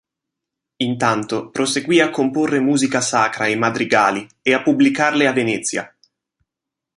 Intanto proseguì a comporre musica sacra e madrigali e a pubblicarle a Venezia.